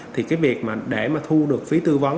thì cái việc mà để mà thu được phí tư vấn